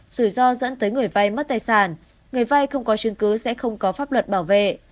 rủi ro dẫn tới người vay mất tài sản người vay không có chứng cứ sẽ không có pháp luật bảo vệ